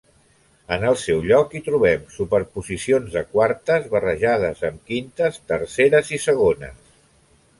En el seu lloc hi trobem superposicions de quartes, barrejades amb quintes, terceres i segones.